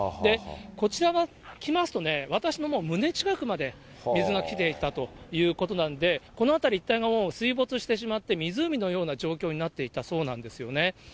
こちら側来ますとね、私の胸近くまで水が来ていたということなんで、この辺り一帯がもう水没してしまって、湖のような状況になっていたそうなんですよね。